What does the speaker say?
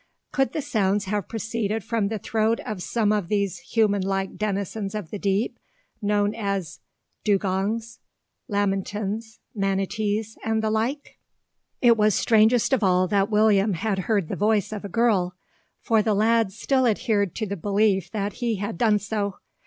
Could the sounds have proceeded from the throat of some of these human like denizens of the deep, known as dugongs, lamantins, manatees, and the like? It was strangest of all that William had heard the voice of a girl: for the lad still adhered to the belief that he had done so.